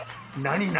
何？